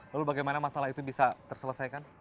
lalu bagaimana masalah itu bisa terselesaikan